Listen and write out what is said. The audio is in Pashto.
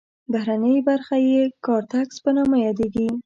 بهرنۍ برخه یې کارتکس په نامه یادیږي.